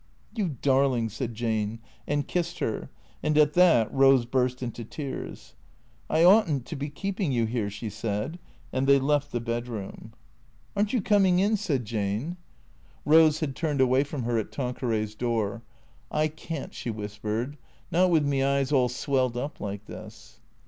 " You darling," said Jane, and kissed her, and at that Rose burst into tears. " I ought n't to be keeping you here," she said. And they left the bedroom. " Are n't you coming in ?" said Jane. 303 THECEEATORS Eose had turned away from her at Tanqueray's door. " I can't/' she whispered. " Not with me eyes all swelled up like this."